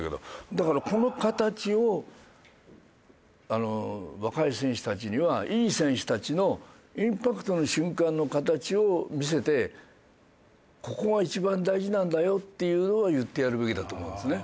だからこの形を若い選手たちにはいい選手たちのインパクトの瞬間の形を見せてここが一番大事なんだよっていうのを言ってやるべきだと思うんですね。